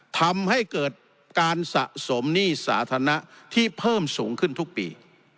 ทำให้เกิดการสะสมหนี้สาธารณะที่เพิ่มสูงขึ้นทุกปี